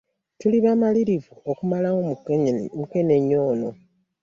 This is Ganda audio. Tuli bamalirivu okumalawo mukenenya ono.